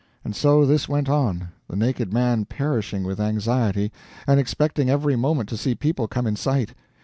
And so this went on, the naked man perishing with anxiety, and expecting every moment to see people come in sight.